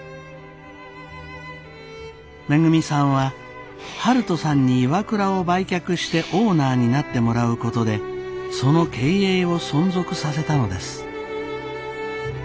めぐみさんは悠人さんにＩＷＡＫＵＲＡを売却してオーナーになってもらうことでその経営を存続させたのです。